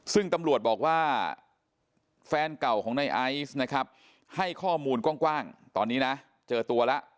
ซึ่งตำรวจบอกว่าแฟนเก่าของในไอซ์นะครับให้ข้อมูลกว้างตอนนี้นะเจอตัวแล้ว